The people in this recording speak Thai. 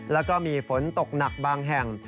แล้วก็มีฝนตกหนักบางแห่ง